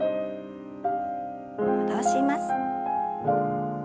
戻します。